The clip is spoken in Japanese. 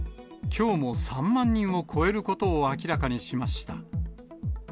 きょうも３万人を超えることを明らかにしました。